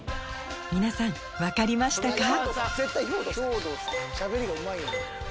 皆さん分かりましたか？